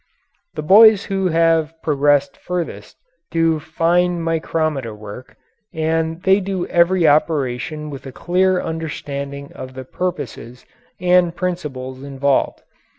The boys who have progressed furthest do fine micrometer work, and they do every operation with a clear understanding of the purposes and principles involved.